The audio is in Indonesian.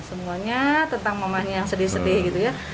semuanya tentang mamanya yang sedih sedih gitu ya